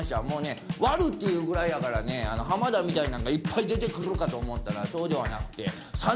もうね「わる」っていうぐらいやからね浜田みたいなんがいっぱい出て来るかと思ったらそうではなくて。